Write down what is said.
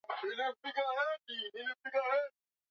Kama njia kuu inayotumiwa na watu au sekta mbalimbali